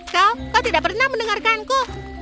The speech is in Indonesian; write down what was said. kau kau tidak pernah mendengarkanku